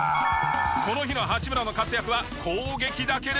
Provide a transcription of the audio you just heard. この日の八村の活躍は攻撃だけではありません。